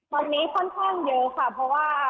วันนี้ค่อนข้างเยอะค่ะเพราะว่า